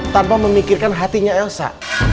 tanpa memikirkan hatinya elsa